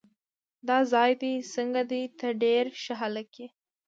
دا ځای دې څنګه دی؟ ته ډېر ښه هلک یې.